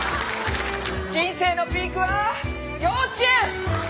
人生のピークは幼稚園。